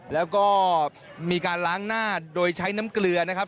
แล้วก็มีการล้างหน้าโดยใช้น้ำเกลือนะครับ